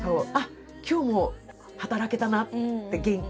今日も働けたなって元気に。